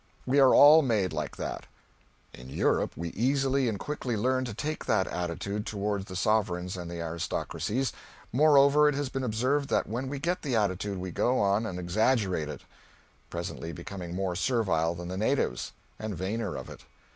We are all made like that. In Europe we easily and quickly learn to take that attitude toward the sovereigns and the aristocracies; moreover, it has been observed that when we get the attitude we go on and exaggerate it, presently becoming more servile than the natives, and vainer of it.